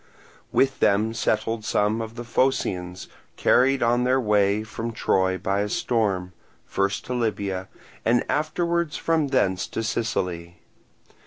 With them settled some of the Phocians carried on their way from Troy by a storm, first to Libya, and afterwards from thence to Sicily.